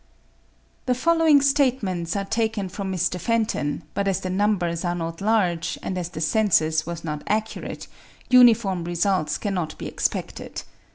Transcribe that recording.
The following statements are taken from Mr. Fenton (p. 26), but as the numbers are not large, and as the census was not accurate, uniform results cannot be expected.